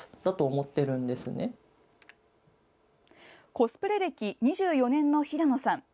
コスプレ歴２４年の平野さん。